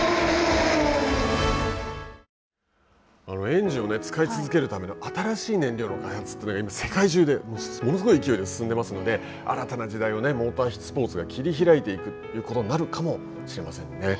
エンジンを使い続けるための新しい燃料の開発というのが今、世界中でものすごい勢いで進んでますので新たな時代をモータースポーツが切り開いていくということになるかもしれませんね。